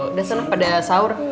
udah seneng pada saur